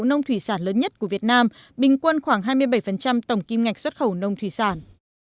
nông thủy sản lớn nhất của việt nam bình quân khoảng hai mươi bảy tổng kim ngạch xuất khẩu nông thủy sản